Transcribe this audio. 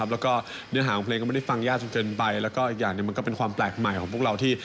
แล้วก็อีกอย่างนี่มันก็เป็นความแปลกใหม่ของพวกเราที่